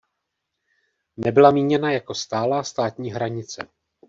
Nebyla míněna jako stálá státní hranice.